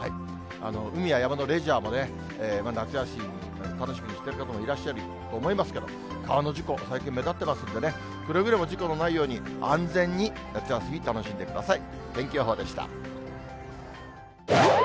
海や山のレジャーもね、夏休み、楽しみにしてる方もいらっしゃると思いますけど、川の事故が最近目立ってますんでね、くれぐれも事故のないように、安全に、夏休み楽しんでください。